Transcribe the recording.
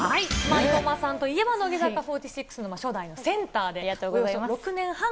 生駒さんといえば、乃木坂４６の初代のセンターでいらっしゃいます。